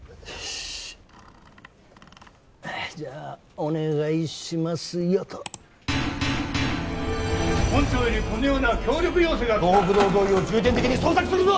しっじゃお願いしますよと本庁よりこのような協力要請が来た東北道沿いを重点的に捜索するぞ！